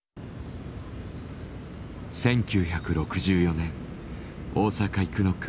１９６４年大阪生野区